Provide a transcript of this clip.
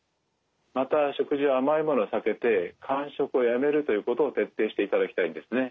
また食事は甘いものを避けて間食をやめるということを徹底していただきたいんですね。